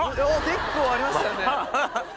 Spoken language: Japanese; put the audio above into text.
結構ありましたよね。